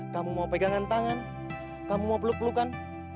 kamu mau pegangan tangan kamu mau peluk pelukan